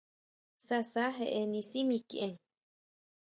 Sasa jaʼani sʼí mikʼien.